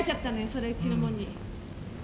それうちの者に。